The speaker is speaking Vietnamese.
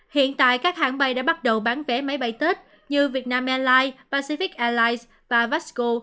hiện tại các hãng bay đã bắt đầu bán vé máy bay tết như vietnam airlines pacific airlines pasco